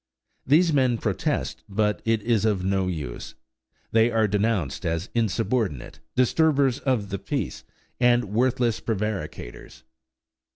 These men protest, but it is of no use. They are denounced as "insubordinate," "disturbers of the peace," and worthless prevaricators.